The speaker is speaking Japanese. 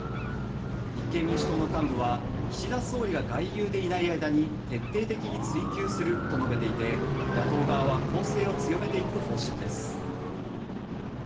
立憲民主党の幹部は岸田総理が外遊でいない間に徹底的に追及すると述べていて野党側は攻勢を強めていく方針です。